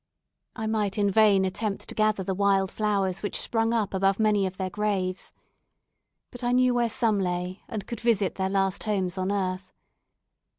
I might in vain attempt to gather the wild flowers which sprung up above many of their graves, but I knew where some lay, and could visit their last homes on earth.